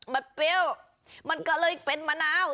มันเปรี้ยวมันก็เลยเป็นมะนาว